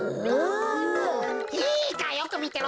いいかよくみてろ。